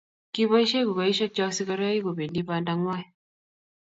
Kiboishei kukaishek chok sigiroik kobendibanda ng'wai